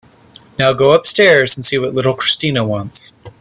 Now go upstairs and see what little Christina wants.